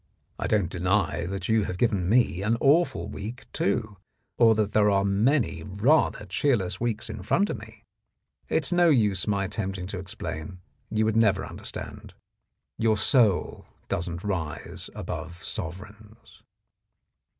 I don't deny that you have given me an awful week, too, or that there are many rather cheerless weeks in front of me. It's no use my attempting to explain; you would never understand. Your soul doesn't rise above sovereigns."